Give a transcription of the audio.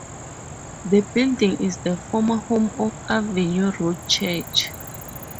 The building is the former home of Avenue Road Church.